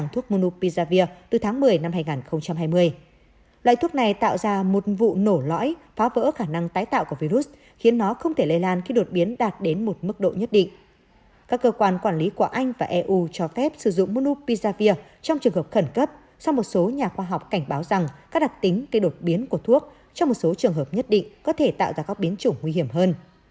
trong trường hợp khẩn cấp sau một số nhà khoa học cảnh báo rằng các đặc tính cây đột biến của thuốc trong một số trường hợp nhất định có thể tạo ra các biến chủng nguy hiểm hơn